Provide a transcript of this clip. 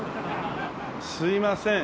すみません。